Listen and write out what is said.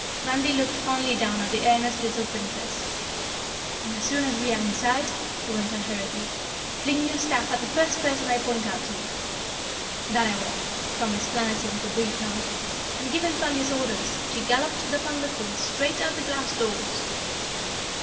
Randy looked fondly down at the earnest little Princess. "And as soon as we are inside," he went on hurriedly, "fling your staff at the first person I point out to you." "That I will," promised Planetty with a brief nod, and giving Thun his orders, she galloped the Thunder Colt straight at the glass doors.